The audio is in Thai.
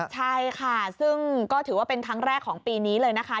ใช่ค่ะซึ่งก็ถือว่าเป็นครั้งแรกของปีนี้เลยนะคะ